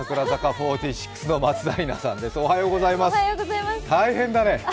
４６の松田里奈さんです。